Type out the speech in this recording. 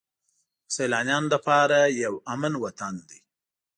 د سیلانیانو لپاره یو امن وطن دی.